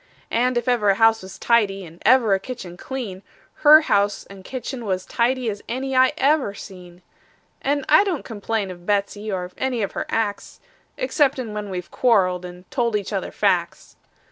And if ever a house was tidy, and ever a kitchen clean, Her house and kitchen was tidy as any I ever seen; And I don't complain of Betsey, or any of her acts, Exceptin' when we've quarreled, and told each other facts.